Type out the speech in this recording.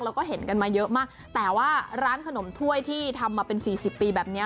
แล้วก็เห็นกันมาเยอะมากแต่ว่าร้านขนมถ้วยที่ทำมาเป็นสี่สิบปีแบบนี้